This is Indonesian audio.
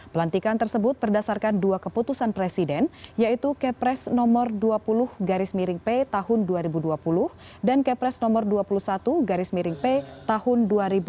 pelantikan tersebut berdasarkan dua keputusan presiden yaitu kepres nomor dua puluh garis miring p tahun dua ribu dua puluh dan kepres nomor dua puluh satu garis miring p tahun dua ribu dua puluh